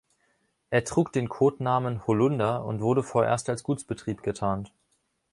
Er trug den Codenamen "Holunder" und wurde vorerst als Gutsbetrieb getarnt.